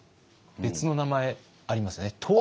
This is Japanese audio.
別の名前ありますよね。